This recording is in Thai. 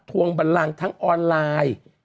วงบันลังทั้งออนไลน์